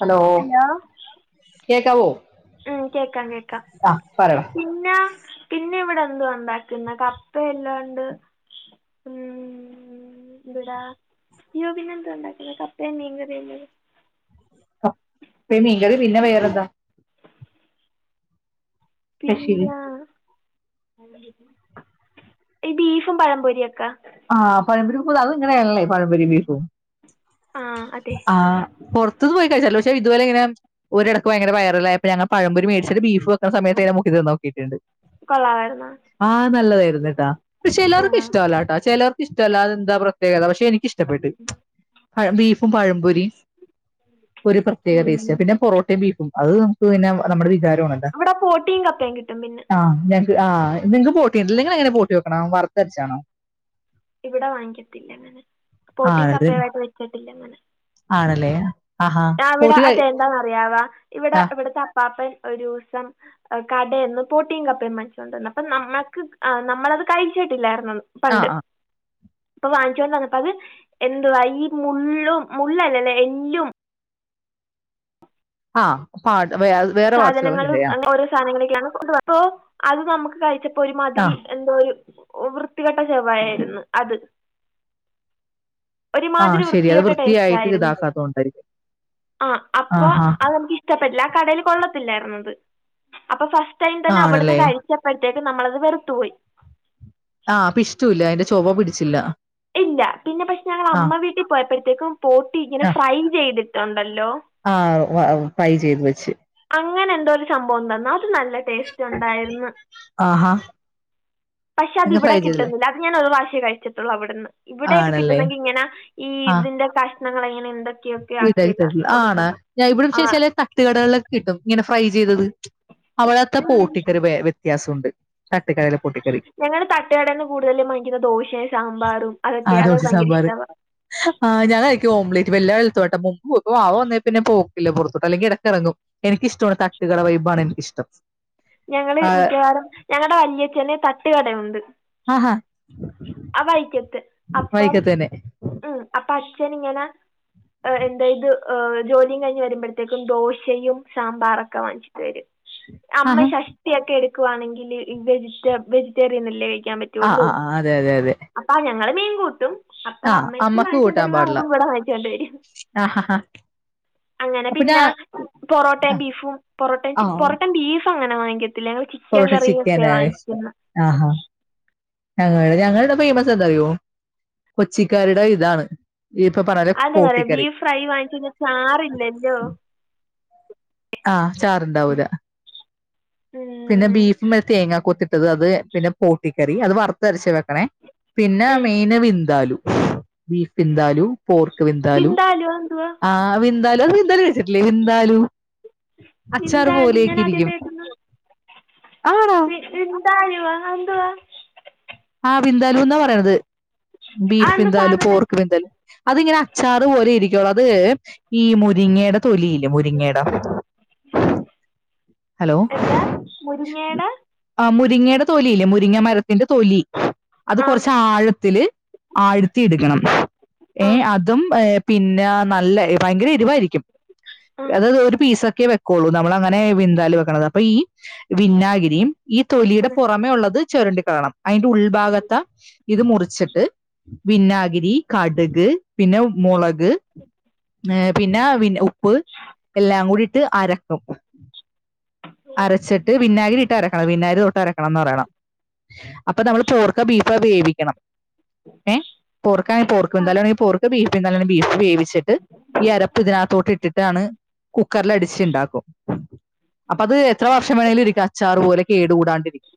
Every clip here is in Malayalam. ഹലോ കേക്കാവോ ഉം കേക്കാം കേക്കാം ആഹ് പറയടാ പിന്നെ പിന്നെ ഇവിടെ എന്ത ഉണ്ടാക്കുന്ന കപ്പ എല്ലാണ്ട് ഉ ഇവിടാ യോബിന എന്ത ഉണ്ടാക്കുന്ന കപ്പേംമീൻകറി അല്ലാണ്ട് മീൻ കറി പിന്നെ വേറെന്താ സ്പെഷ്യല് പിന്ന ഈ ബീഫും പഴ പൊരിയൊക്കെ ആഹ് പഴമ്പരിക്കുമ്പത് അത് ഇങ്ങളെയല്ലെ പഴമ്പോരിം ബീഫും ആ അതെ ആ പുറത്തന്ന് പോയി കഴാചലോ പക്ഷാ ഇതുപോലെങ്ങനെ ഒരെടക്ക് ഭയങ്കരവയറലായിപ ഞങ്ങ പഴമ്പൊറി മേടിച്ചട്ട് ബീഫ് ഒ ട്ടണ സമയത്തെക്കെ മുക്ക ഇതം നോക്കിട്ടിണ്ട് കൊള്ളാമായിരുന്നോ ആ നല്ലതേര്ന്ന് ട്ടാ പശെ എല്ലാവർക്കും ആ ഇഷ്ടല്ല ട്ടാ ചെലർക്ക് ഇഷ്ടല്ല അതെന്താ പ്രത്യേകത പക്ഷെ എനിക്കിഷ് ഇഷ്ടപ്പെട്ട് ആ ബഫ് പ്പം പഴമ്പപൊരി ഒരു പ്രത്യേക ഉം പേസ്റ്റ പിന്നെ പൊറോട്ടേം ബീഫും അത് നമുക്ക് പിന്നെ നമ്മടെ വിജാരം- ഇവടെ പോട്ടീം കപ്പേം കിട്ടും പിന്നെ- ആഹ് ഞങ്ങക്ക് ആഹ് നിങ്ങ്ക്ക് ബോട്ടിണ്ട്ലെ നിങ്ങളെങ്ങനാ ബോട്ടി വെക്കണേ വറുത്തരച്ചാണോ? ഇവിടെ വാങ്ങ്ക്കത്തില്ലങ്ങനെ പോട്ടീം കപ്പയുവായിട്ട് വെക്ക ത്തില്ലങ്ങനെ- ആണലെ- ഞ്ഞാ ഇവടെ അതെ എന്താന്നറിയാവാ ഇവിടെ ആ. ഇവിടത്തെ അപ്പാപ്പൻ- ഒരൂസം കടേന്ന് പോട്ടീം കപ്പയും വാങ്ങിചോണ്ട്ന്നു അപ്പം ന്നമ്മക്ക് നമ്മളത് കഴിച്ചിട്ടില്ലാർന്- ആഹ് ആ പണ്ട്- ആ ഇപ്പ വാങ്ങിച്ചോണ്ട് വന്നപ്പത് എന്തുവാ ഈ മുള്ളും മുള്ളല്ലല്ലേ എല്ലും- ആഹ് പാട്- വെയ അത് വേറെ സാധനങ്ങളും വാട്ട്സുകളൊക്കെയാ- അങ്ങനെ ഓരോ [unintelligible] അത് നമുക്ക് കഴിച്ച- ഒരു ആ. മാതിരി എന്തോ ഒരു- ഓ വൃത്തികെട്ട ചൊവയായിരുന്നു അത്- ആ ഒരുമാതിരി ശരി അത് വൃത്തികെട്ട വൃത്തിയായിട്ട് ട്ടേസ്റ്റായിരുന്നു ഇതാക്കാത്തോണ്ടായിരിക്കും ആ അപ്പൊ ആഹാ അത് നമുക്ക് ഇഷ്ടപ്പെട്ട് ല്ല ആ കടേല് കൊള്ളത്ത് ത്തില്ലാർന്നത് അപ്പ ഫസ്- ടൈം തന്നെ അവിട്ന്ന് ആണല്ലേ കഴിച്ചപ്പയ് ത്തെക്ക് നമ്മളത് വെറുത്തുപോയി ആഹ് ആപ്പിഷ്ട്ടൂല്ല അയ്ന്റെ ചൊവ പിടിച്ചില്ല ഇല്ല പിന്നെ പഷെ ആ ഞങ്ങളമ്മ വീട്ടി പോയ്പ്പഴ്ത്തേക്കും പൊട്ടി ഇങ്ങനെ ആ ഫ്രൈ ചെയ്തിട്ടുണ്ടല്ലോ ആ ഫ്രൈ ചെയ്ത് വെച്ച് അങ്ങ അങ്ങനെന്തോ ഒരു സംഭോണ്ടാന്നൊ ഇത് നല്ല ടെസ്റ്റുണ്ടായിര്ന്ന് ആഹാ പക്ഷെ അത് നിങ്ങൾ ഫ്രൈ ഇവടെ ചെയ്തില്ലേ കിട്ടുന്നില്ല അത് ഞാൻ ഒരു പ്രശം ച്ച് കൈച്ചിട്ടുള്ള അവിട് ന്ന് ഇവിടെയൊക്കെ ആണല്ലേ കിട്ടുന്നെങ്കി ഇങ്ങന ഈ ഇതിന്റെ കഷ് ണങ്ങൾ എങ്ങാന്ണ്ട് വിടെരുതെന്ന് ആണ് ഞാൻ ഇവടെ ആ. ശേ ശേലാ തട്ടുകടകളൊക്കെ കിട്ടും ഇങ്ങനെ ഫ്രൈ ചെയ്തത് അവ്ടെത്തെ ഉം. പോട്ടിക്കൊരു വേവ് വിത്യാസുണ്ട് ഞങ്ങള് തട്ടുകടേന്ന് കൂടുതലും വാങ്ങിക്കുന്നെ ദോശേം സാമ്പാറും ആ അതൊക്കെയ ദോശ അതൊക്കെ ഭയങ്കര സാമ്പാർ ഇഷ്ടവാ ത് ഏട്ടാ മുക്വുക്ക് വാവാ വന്നേ പിന്നെ പോക്കില്ല പൊറതട്ട് അല്ലെങ്കി എടക്കെറങ്ങും എനിക്കിഷ്ട്ടോണ് തട്ടുകട വൈബാണ് എനിക്കിഷ്ടം ഞങ്ങള് ആഹ് മിക്കവാറും ഞങ്ങടെ വല്ല്യച്ഛന് ത ട്ട്കട ഉണ്ട് അ ഹാ അവയ്ക്ക് അപ്പം മ് അപ്പ അച്ഛനിങ്ങനെ എന്ദേയ്ത് ജോലിയും കഴിഞ്ഞ് വരുമ്പഴത്തേക്ക്‌ ദോശയും സാമ്പാറൊക്കെ വാങ്ങിച്ച് വരും അമ്മ ആഹാ ഷഷ്ഠിയൊകെ ക്ക്‌ വാണെങ്കില് വെജിറ്റേ വെജിറ്റേറിയനല്ലേ ക്കാൻ ആഹ് പറ്റുള്ളൂ ആഹ് ആഹ് അതെ അതെ അപ്പം ഞങ്ങൾ മീൻ കൂട്ടും അപ്പ ആഹ് അമ്മക്കും അമ്മക്ക് കൂട്ടാൻ വാങ്ങിച്ചോണ്ടരുമ്പ പാടില്ല നമ്മക്കും ഇവിടെ വാങ്ങിച്ചോണ്ടരും ആഹാഹാ അങ്ങനെ അപ്പൊ ഞാ പിന്നെ പൊറോട്ടേം ബീഫും പൊറോട്ടേ ചിക്ക പൊറോട്ടേം ബീഫ അങ്ങനെ വാങ്ങിക്കത്തി പെറോട്ടേം ചിക്കനായഷ്ടം ആ ഹാ ഞങ്ങള് ഞങ്ങളെ ഫെയ്മസെന്താറിയോ കൊച്ചീക്കാരുടെ ഇതാണ് ഈ ഇപ്പൊ പറഞ്ഞപോലെ അത് ന്ന് പോട്ടിക്കറി പറയുബീഫ് ഫ്രൈ വാങ്ങിച്ചയിഞ്ഞ ചാറില്ലല്ലോ ആ ചാറുണ്ടാവൂല പിന്നെ ബീഫിമേൽ തേങ്ങകൊത്തി ഇട്ടത് അത് പിന്നെ പോട്ടിക്കറി അത് വറുത്തരച്ച് വെക്കണേ പിന്നെ മൈൻ വിന്താലു ബീഫ് വിന്താലു പോർക്ക് വിന്താലു ബിന്ദാലുവോ എന്തുവാ ആ വിന്താലു അത് വിന്താലുകഴിച്ചിട്ടില്ലേ വിന്താലു അച്ചാറ് പോലെയൊക്കെ ഇരിക്കും ആണോ [unintelligible] ബിന്താലുവൊ അതെന്തുവാ ആ ബിന്ദാലുന്നാ പറയണത് ബീഫ് അതെന്താ വിന്താലു സാധനം പോർക്ക് വിന്താലു അതിങ്ങനെ അച്ചാറ് പോലെ ഇരിക്കുള്ളു അത് ഈ മുരിങ്ങേടെ തൊലിയില്ലെ മുരിങ്ങേടെ ഹലോ എന്താ ഉം മുരിങ്ങയുടെ അ മുരിങ്ങയുടെ തൊലി ഇല്ലേ മുരിങ്ങ മരത്തിന്റെ തൊലി അത് ആ കൊറച്ച് ആഴത്തില് ആഴ്ത്തി ഇടുക്കണം ആ ഏ അതും ഏ പിന്നെ നല്ല ഭയങ്കര എരുവായിരിക്കും ആ ആ അതായത് ഒരു പീസ് ക്കി വെക്കൊള്ളൂ നമ്മളങ്ങനെ വിൻ ന്ദാലു വെക്കണത് അപ്പൊ ഈ വിന്നാഗിരിയും ഈ തൊലിയുടെ പുറമെ ഉള്ളത് ചെരണ്ടി കാണാം അതിന്റെ ഉൾഭാഗതാ ഇത് മുറിച്ചിട്ട് വിന്നാഗിരി കടുക് പിന്നെ മുളക് പിന്നെ വിൻ ഉപ്പ് എല്ലാം കൂടി ഇട്ട് അരക്കും അരച്ചിട്ട് വിന്നാഗിരി ഇട്ട് അരക്കണം വിന്നാഗിരി തൊട്ട് അരക്കണം കണംന്ന് പറയണം അപ്പൊ നമ്മൾ പോർക്ക ബീഫ്‌വേവിക്കണം ഏ പോർക്കാണെങ്ക പോർക്ക് ആ എന്തായാലുംണെങ്ക പോർക്ക് ബീഫ് എന്താലും ബീഫ് വേവിച്ചിട്ട് ഈ അരപ്പ് ഇതിനകത്തോട്ട് ഇട്ടിട്ടാണ് കുക്കറിൽ അടിച്ചുണ്ടാക്കും അപ്പ അത് എത്ര വർഷം വേണമെങ്കിലും ഇരിക്കും അച്ചാറ് പോലെ കേട്കൂടാണ്ടിരിക്കും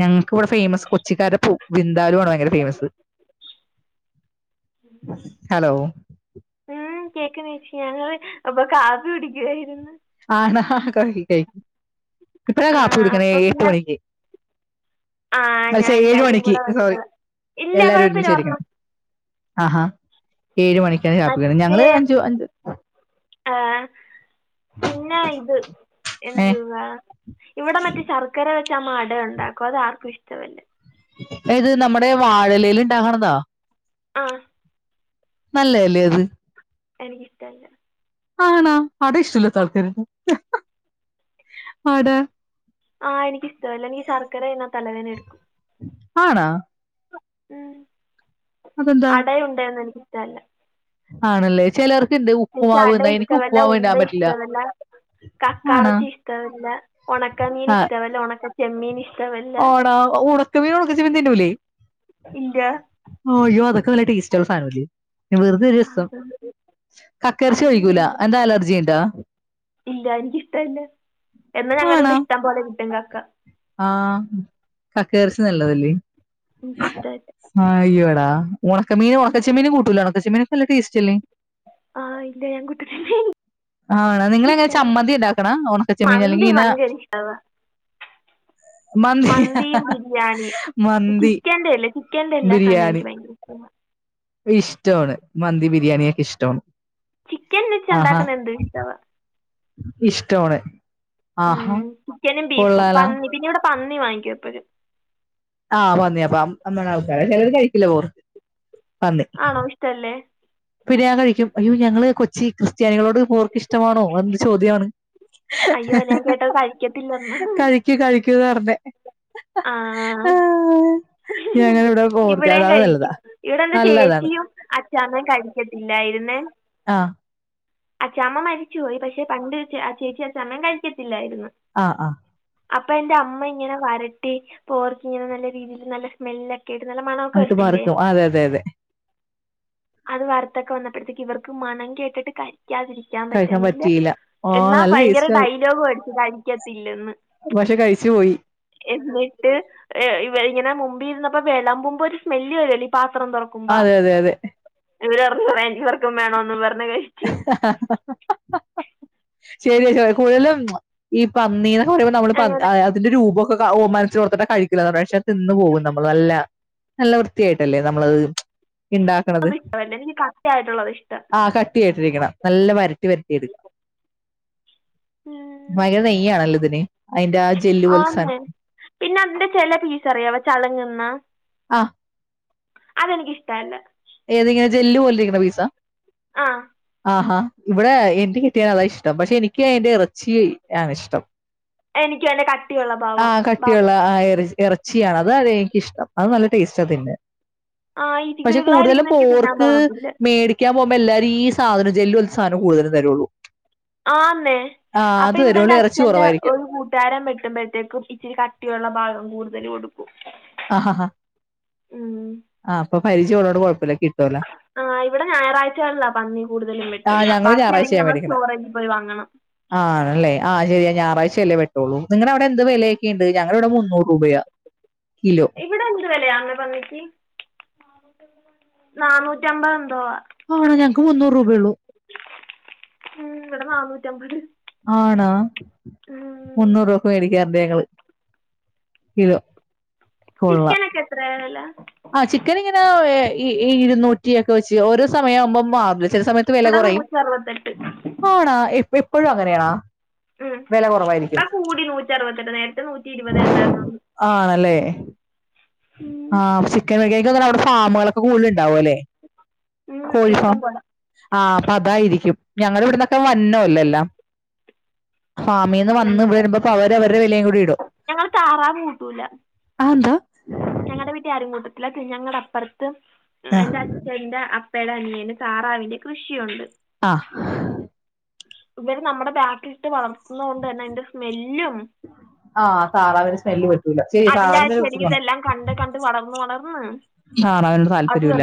ഞങ്ങ ഇക്ക് ഇവിടെ ഫേമസ് കൊച്ചിക്കാരുടെ പൂ ബിന്ദാലു ആണ് ഭയങ്കര ഫേമസ് ഹലോ കേക്ക് നിച്ച് ഞങ്ങൾ അപ്പൊ കാപ്പി കുടിക്കായിരുന്നു ആണ് കഴിക് കഴിക് ഇപ്പഴ ആ കാപ്പി കുടിക്കണേ അപ്പോൾ എഴ് എട്ട് പിന്നെ മണിക്ക് ആ ഞാൻ മത്സ്യ ഏഴ് എല്ലാരും മണിക്ക് കൂടെ വരു സോറി ഇല്ല എല്ലാരും കൊഴപ്പില്ല പർഞ്ഞോ ഒരുമിച്ചിരിക്കണം ആഹാ ഏഴ് മണിക്കാണ് കാപ്പിക്കുന്നത് മറ്റേ ഞങ്ങള് അഞ്ചു അഞ്ചു ആ, പിന്നെ ഇത് എന്ത് ഏഹ് ന്നാ ഇവിടെ മറ്റേ ശർക്കര വെച്ച് വെച്ച് അമ്മ അടഉണ്ടാക്കും അത് ആർക്കും ഇഷ്ടമല്ലേ ഇത് നമ്മുടെ വാഴലയിൽ ഉണ്ടാക്കണതൊ ആ നല്ലത് അല്ലേ അത് എനിക്കിഷ്ടല്ല ആണാ അട ഇഷ്ടില്ലത്ത ആൾക്കരി അട ആഹ് എനിക്ക് ഇഷ്ടല്ല എനിക്ക് ശർക്കര അയിന്നത് തലവേദന എടുക്കും ആണാ ഉം അതെന്താ അടയുണ്ട് എന്ന് എനിക്ക് തല ആണല്ലേ ചിലർക്കുണ്ട് എനിക്ക് ഉപ്പുമാവ് അട എന്നാ എനിക്ക് ഇഷ്ടവല്ല, ഉപ്പുമാവ് ഉണ്ട ഇടാൻ പറ്റില്ല ഇഷ്ടവല്ല, ആണാ കക്കാറച്ചി ഇഷ്ടവല്ല, ഉണക്കമീൻ ഇഷ്ടവല്ല ഉണക്ക ചെമ്മീൻ ഇഷ് ആടാ ഉണക്ക മീൻ ഉണക്ക ചെമ്മീൻ തിന്നുല്ലേ? ഇല്ലാ ഓ യോ അത്ക് ക്ക നല്ല ടേസ്റ്റള്ള സാധനം അല്ലേ വെറുത ഒരു രസം അതൊന്നും കക്കറച്ചി അതൊന്നും കഴിക്കൂല ഞാൻ എന്താ അലർജിണ്ടാ ഇല്ല എനിക്കിഷ്ടല്ല എന്ന് ഞങ്ങട ആണാ ഇവിടെ ഇഷ്ടം പോലെ കിട്ടും കക്ക കക്കറച്ചി നല്ലതല്ലേ. എനിക്കിഷ്ടമല്ല ആ അയ്യോട ഒണക്കമീൻ ഒണക്കച്ചെമ്മീൻ കൂട്ടുല്ല ഒണക്കച്ചെമ്മീൻ നല്ല ടേസ്റ്റി അല്ലെ. ആ ഇല്ല ഞാൻ കൂട്ടത്തില്ല ആണോ നിങ്ങളെങ്ങനെ ചമ്മന്തി ഇണ്ടാക്കണ ഒണക്കച്ചെമ്മീൻ അല്ലെ ത് ഭയങ്കര ഇഷ്ടവാ മന്തി മന്തിയും ബിരിയാണിയും മന്തി ചിക്കന്റെല്ലേ ചിക്കന്റെ എല്ലാ സാനവും ബിരിയാണി എനിക്ക് ഭയങ്കര ഇഷ്ടവാ. ഇഷ്ടമാണ്, മന്തി ബിരിയാണിയൊക്കെ ഇഷ്ടമാണ്. ചിക്കൻ വെച്ച് ഉണ്ടാക്കുന്ന എന്ത്‌ ഇഷ്ടവാ. ഇഷ്ടവാണ്. ഉം ചിക്കനും ബീഫും പന്നി പിന്നെ ഇവടെ പന്നി വാങ്ങിക്കും എപ്പഴും. ആഹ് പന്നിയപ്പം [unintelligible] ചിലര് കഴിക്കില്ല പോർക്ക്. പന്നി ആണോ ഇഷ്ടല്ലേ. [unintelligible] കഴിക്കും അയ്യോ ഞങ്ങള് കൊച്ചിക്ക് ജനങ്ങളോട് പോർക്ക് ഇഷ്ടമാണോ [unintelligible] ചോദ്യമാണ്. അയ്യോ ഞാൻ കേട്ടത് കഴിക്കത്തില്ലന്ന [unintelligible] ആ ഞാനത് ഇവിടെയും കഴിക്കൂ ഇവിടെ എന്റെ നല്ലതാണ് ചേച്ചിയും അച് [unintelligible] കഴിക്കത്തില്ലായിരുന്നെ. ആ അച്ചാമ്മ മരിച്ചുപോയി പക്ഷെ പണ്ട് ചേച്ചിം അച്ചാമ്മയും കഴിക്കത്തില്ലായ് ആ ആ അപ്പൊ എന്റെ അമ്മ ഇങ്ങനെ വരട്ടി പോർക്ക് ഇങ്ങനെ നല്ല രീതിൽ നല്ല സ്മെല് ആയിട്ട് വറ്ക്കും അ അതെ അതെ അത് വർത്തൊക്കെ വന്നപ്പോഴത്തേക്ക് ഇവർക്ക് മണം കേട്ടിട്ട് ക ഴിക്കാതിരിക്കാൻ കഴിക്കാൻ പറ്റന്നില്ല പറ്റിയില്ല ഓ എന്നാ നല്ല ഭയങ്കര ടേസ്റ്റ് ഡയലോഗും അടിച്ച് കഴിക്കത്തില്ലന്ന് പക്ഷെ കഴിച്ചു പോയി എന്നിട്ട് എ ഇവരിങ്ങനെ മുമ്പീര്ന്ന വേളമ്പുമ്പൊ ഒരു സ്മെല് വരുല്ലോ ഈ പാ ത്രം തുറക്ക്മ്പ അതെ അതെ അതെ ഇ ഇവർക്കും വേണോന്നും പറഞ്ഞ് കഴിച്ച് ശരി [inaudible] ഈ പന്നീന പറയുമ്പ നമ്മള് അങ്ങനെ അതിന്റെ രൂപം ഓ മനസ്സിൽ ഓർത്തിട്ടാ കഴിക്കല് പക്ഷെ തിന്നു പോകും നമ്മള് നല്ല നല്ല വൃത്തിയായിട്ടല്ലേ നമ്മളത് ഇണ്ടാക്കണത് അത് ഇഷ്ടമല്ല എനിക്ക് കട്ടിയായിട്ടുള്ളത് ഇഷ്ടം ആ കട്ടിയായിട്ടിരിക്കണം നല്ല വരട്ടി വരട്ടിവരട്ടിയെടുക്കാം ഉം നെയ്യാണല്ലോ ഇതിന് അതിന്റെ ആ ജെല്ല് ആ പോലത്തെ സാധനത്തിന് [inaudible] അതിന്റെ ചില പീസ് അറിയാവ ചളുങ്ങുന്ന ആ അതെനിക്കിഷ്ടല്ല ഏതിങ്ങനെ ജെല്ല് പോലിരിക്കണ പീസ ആ ആഹാ ഇവിടെ [unintelligible] അത ഇഷ്ടം പക്ഷെ എനിക്ക് അയിന്റെ ഇറച്ചീ ആണ് ഇഷ്ടം എനിക്ക് അയിന്റ കട്ടിയുള്ള ആ ഭാവം കട്ടിയുള്ള ഭാഗം ആ ഇറ- ഇറച്ചിയാണ് അത് എനിക്കിഷ്ടം അത് നല്ല ടേസ്റ്റ തിന്നാൻ ആ ഇതികള് കൂടുതലും പോർക്ക് മേടിക്ക പോവമ്പ എല്ലാരീ ഈ സാധനം ജെല്ല് പോലത്ത സാനം കടുതലും തരൂള്ളൂ ആന്നെ അപ്പൊ ഇവിടെന്റെ ഇറച്ചി അച്ഛന്റെ കുറവായിരിക്കും ഒരു കൂട്ടുകാരൻ വെക്കുമ്പോഴേക്കും ഇച്ചിരി കട്ടി ഉള്ള [inaudible] കൂടുതല് കൊടു ആഹാ ഉം. പരിജയം ഉള്ളോണ്ട് കൊഴപ്പില്ല ആ ഇവിട ഞായറാഴച്ച ആണല്ല പന്നി കുടുതലും ആ വെട്ടുന്ന ഞങ്ങൾ ബാക്കി അല്ലങ്കി ഞായറാഴ്ചയാണ് നമ്മൾ മേടിക്കണേ സ്റ്റോറേജി പോയി വാങ്ങണം ച്ച അല്ലെ വെട്ടൂള്ളു നിങ്ങട അവിടെ എന്ത് വേല ഒക്കെ ഇണ്ട് ഞങ്ങട ഇവിട മുന്നൂർ റൂപയാ ഇവിട എന്ത് വിലയാന്ന് പന്നിക്ക് നാന്നൂറ്റമ്പത് എന്തോ ആ ആണോ ഞങ്ങൾക്ക് മുന്നൂറൂപ ഉള്ളു ഉം ഇവിട നന്നൂറ്റംപത് ആണാ മുന്നൂറുവക്ക് മേടിക്കാറുണ്ട് ഞങ്ങള് കിലോ കൊള്ളാം ചിക്കനെക്ക എത്രയാ വെല ആ ചിക്കൻ ഇങ്ങന ഇ ഇ ഇരുന്നൂറ്റിയൊക്കെ വെച്ച് ഓരോ സമയമാവുമ്പം മാ ചില സമയത്ത് വില ഇവിടെ കൊറയും നൂറ്ററുപത്തെട്ട് ആണാ [unintelligible] പ്പഴും അങ്ങനയാ ഉം ഇപ്പ കൂടി നൂറ്റാരുവത്തെട്ട് നേരത്തെ നൂറ്റി ഇരുവതെ ഇണ്ടാർന്നോളൂ ആണല്ലേ ആ [unintelligible] അവിടെ ഫാമുളെ കൂടുതലുണ്ടാവും അല്ലേ ഉം, ഇഷ്ടം കോഴിഫാം പോലെ ആ പ്പ അതായിരിക്കും ഞങ്ങള ഇവിടന്നൊക്കെ വന്നേല്ലല്ലാ ഫാമിന്ന് വന്ന് വരുമ്പം അവര് അവരുടെ വിലയും കൂടി ഇടും ഞങ്ങൾ അഎന്താ ഞങ്ങളടെ വീട്ടിൽ ആരും കൂട്ടത്തില്ല ഞങ്ങടെ അപ്പർ ത്തെ എന്റെ അച്ഛന്റെ അ അനിയന് താറാവിന്റെ കൃഷിയാെണ്ട് ആ ഇവര് നമ്മുടെ ബാക്കിലിട്ട് വളർത്തുന്നത് കൊണ്ട് തന്നെ അയ്ന്റെ സ്മെല്ലും ആ താറാവിന്റെ സ്മെല് പറ്റൂല ശെരിയാ അതിന്റെ ആ താറാവിനൊരു ചെടി വൃത്തികേടാണ് ഇതെല്ലാം കണ്ട് കണ്ട് വളർന്നു വളർ ളർന്ന് താറാവ് നോട്‌ താല്പര്യല്ല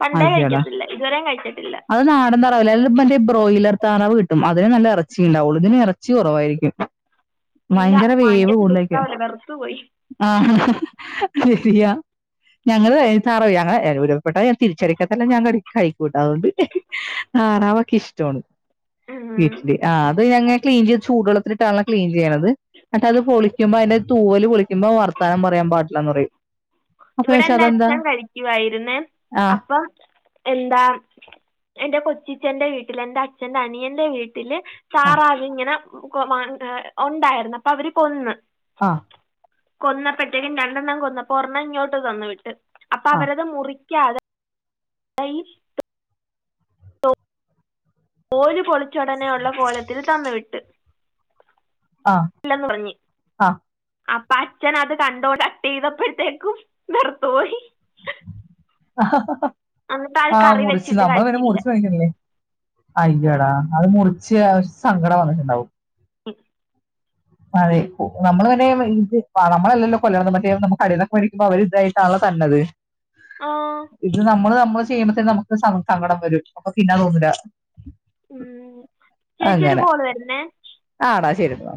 പണ്ടേ അയ്യോടാ കഴിക്കത്തില്ല ഇതുവരെയും കഴിച്ചിട്ടില്ല അത് നാടൻ തറവല്ലേ മറ്റേ ബ്രോയിലർ താറാവ് കിട്ടും അതിന് നല്ല എച്ചിണ്ടാവുള്ളൂ ഇതിന് എറച്ചി കുറവായിരിക്കും ഇല്ല ഭയങ്കര വേവ് വാങ്ങിക്കത്തില്ല കൂട്ലേയ്ക്ക ഇഷ്ടാവില്ല വെറുത്തു പോയി ആ ശരിയാ ഞങ്ങള് [unintelligible] ഞങ്ങള് [unintelligible] വടെ തിരിച്ചടിക്കാത്തല്ല ഞാൻ കടി കഴികും ട്ടോ അതൊണ്ട് താറാവക്കെ ഇഷ്ടമാണ് ഉം. വീട്ടില് ആ അത് ഞങ്ങ ക്ലീൻ ചെയ്ത് ചൂടു വെള്ളത്തിലിട്ടാണ്ണല്ല ക്ലീൻ ചെയ്യ്ണത് ന്നട്ട് അത് പൊളിക്കുമ്പോ അതിന്റെ തൂവല് പൊളിക്കുമ്പോ വർത്താനം പറയാൻ പാടില്ലാന്ന് പറയും അപ്പൊ ഇവിടെ പക്ഷെ എന്റെ അതെന്താ അച്ഛൻ കഴിക്കുവായിരുന്നെ ആ അപ്പൊ എന്താ എന്റെ കൊച്ചി ച്ചന്റെ വീട്ടിൽ എന്റെ അച്ഛന്റെ അനിയന്റെ വീട്ടി ല് ആ താറാവ് ഇങ്ങന കൊ മ എ ഒണ്ടായിര്ന്ന് അപ്പൊ അവര് കൊന്ന് ആ കൊന്നപ്പെത്തെക്കും രണ്ടെണ്ണം കൊന്ന ഒരണ്ണം ഇങ്ങോട്ട് തന്ന് വിട്ട് അപ്പൊ ആ അവരത് മുറി ക്കാതെ [unintelligible] തോല് പൊളി ച്ചോടനെയുള്ള കോലത്തിൽ തന്നു വിട്ട് ആ ഇല്ലന്ന് പറഞ്ഞു ആ അപ്പൊ അച്ഛൻ അത് കണ്ടോടെ ചെയ്തപ്പോഴത്തേക്കും വെർത്തുപോയി ആ എന്നിട്ട് അത് ആഹ് കറി മുറിച്ച് വെച്ചിട്ട് നമ്മള പിന്നെ കഴിച്ചില്ല മുറിച്ച് വക്കല്ലേ അയ്യടാ അത് മുറിച്ച് ആ ഒരു സങ്കടം വന്നിട്ടുണ്ടാവും. ഉം അതെ നമ്മള് പിന്നെ ഇ നമ്മളല്ലല്ലോ കൊല്ലണത് മറ്റേ നമ്മള് കടയിൽന്നോക്കെ മേടിക്കുമ്പോ അവർ ഇതായിട്ടാണല്ലോ തരണത്. ആ ഇത് നമ്മള് നമ്മള്. ചെയ്യുമ്പത്തേക്ക് നമുക്ക് സ സങ്കടം വരും അപ്പോ തിന്നാൻ തോന്നൂല്ല. ഉം ചേച്ചി ഒരു കോള് വരുന്നേ. ആണോ ശരി എന്നാ.